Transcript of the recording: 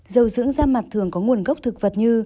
dầu dưỡng da mặt thường có nguồn gốc thực vật như